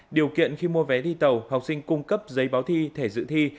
điều kiện khi mua vé đi tàu học sinh cung cấp giấy báo thi thể dự thi